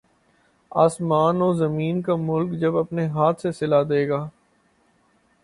آسمان و زمین کا مالک جب اپنے ہاتھ سے صلہ دے گا